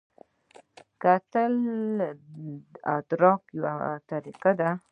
کتل د ادراک یوه طریقه ده